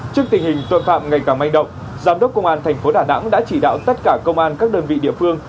trước tình hình tội phạm ngày càng manh động giám đốc công an thành phố đà nẵng đã chỉ đạo tất cả công an các đơn vị địa phương